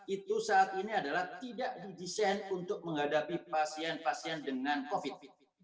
itu saat ini adalah tidak didesain untuk menghadapi pasien pasien dengan covid sembilan belas